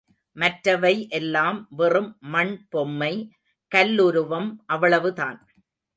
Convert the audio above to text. மற்றவை எல்லாம் வெறும் மண் பொம்மை, கல்லுருவம் அவ்வளவுதான்.